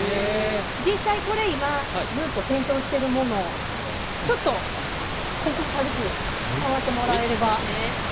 実際これ今ずっと点灯してるものちょっとここ軽く触ってもらえれば。